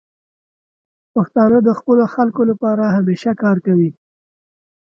پښتانه د خپلو خلکو لپاره همیشه کار کوي.